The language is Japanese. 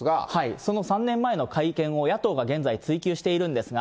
その３年前の会見を、野党が現在追及しているんですが。